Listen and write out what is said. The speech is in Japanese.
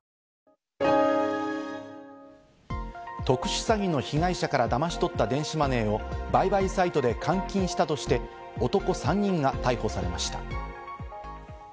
特殊詐欺の被害者からだまし取った電子マネーを売買サイトで換金したとして男３人が逮捕されました。